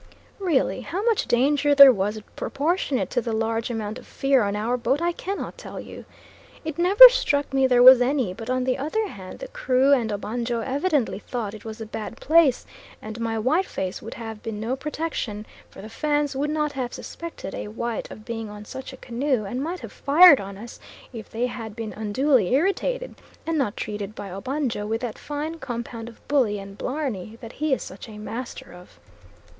Really how much danger there was proportionate to the large amount of fear on our boat I cannot tell you. It never struck me there was any, but on the other hand the crew and Obanjo evidently thought it was a bad place; and my white face would have been no protection, for the Fans would not have suspected a white of being on such a canoe and might have fired on us if they had been unduly irritated and not treated by Obanjo with that fine compound of bully and blarney that he is such a master of.